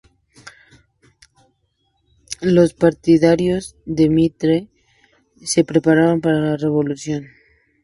Los partidarios de Mitre se prepararon para la revolución.